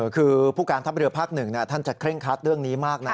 คือผู้การทัพเรือภาค๑ท่านจะเคร่งคัดเรื่องนี้มากนะ